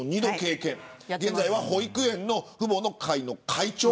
現在は保育園の父母の会の会長。